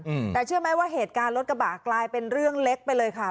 อืมแต่เชื่อไหมว่าเหตุการณ์รถกระบะกลายเป็นเรื่องเล็กไปเลยค่ะ